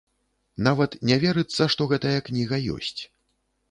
Нават не верыцца, што гэтая кніга ёсць.